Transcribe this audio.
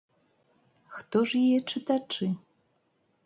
Хто ж яе чытачы?